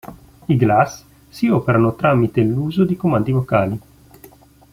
I Glass si operano tramite l'uso di comandi vocali.